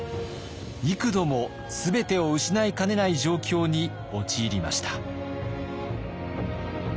幾度も全てを失いかねない状況に陥りました。